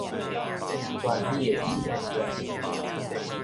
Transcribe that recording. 全你的意見了了